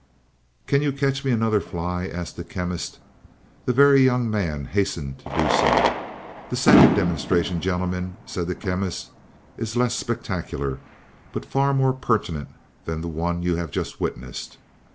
"Can you catch me another fly?" asked the Chemist. The Very Young Man hastened to do so. "The second demonstration, gentlemen," said the Chemist, "is less spectacular, but far more pertinent than the one you have just witnessed."